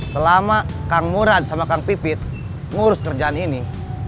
selama kang murad sama kang pipit ngurus kerjaan ini